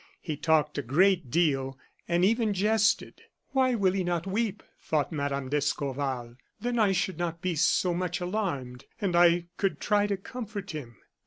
He talked a great deal, and even jested. "Why will he not weep," thought Mme. d'Escorval; "then I should not be so much alarmed, and I could try to comfort him."